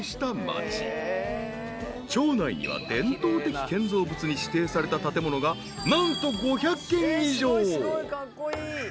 ［町内には伝統的建造物に指定された建物が何と５００軒以上］